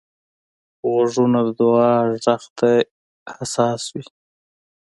غوږونه د دعا غږ ته حساس وي